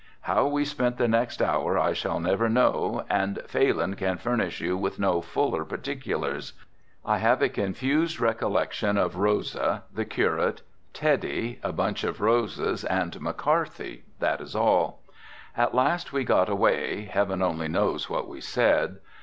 How we spent the next hour I shall never know and Phalin can furnish you with no fuller particulars. I have a confused recollection of Rosa, the curate, Teddy, a bunch of roses and McCarthy, that is all. At last we got away, heaven only knows what we said.